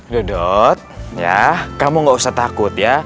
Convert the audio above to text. dodot ya kamu gak usah takut ya